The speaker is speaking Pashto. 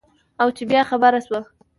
او چې بیا خبره شوه.